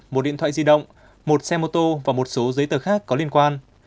một điện thoại di động một xe mô tô và một số giấy tờ khác có liên quan